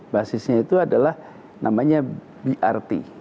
basisnya itu adalah namanya brt